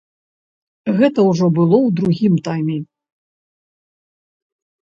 Гэта ўжо было ў другім тайме.